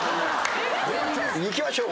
いきましょう。